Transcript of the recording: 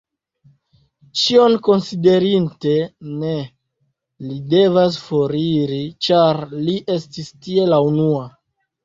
Ĉion konsiderinte, ne li devas foriri, ĉar li estis tie la unua.